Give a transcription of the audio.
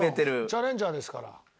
チャレンジャーですから。